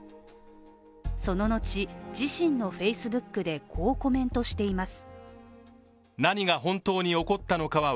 その後、自身のＦａｃｅｂｏｏｋでこうコメントしています。